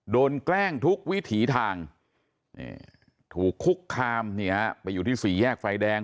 แกล้งทุกวิถีทางถูกคุกคามไปอยู่ที่สี่แยกไฟแดง